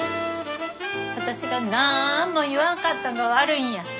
私がなんも言わんかったんが悪いんや。